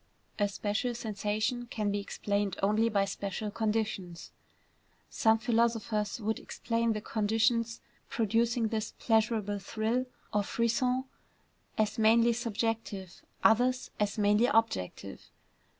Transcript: A special sensation can be explained only by special conditions. Some philosophers would explain the conditions producing this pleasurable thrill, or frisson, as mainly subjective; others, as mainly objective.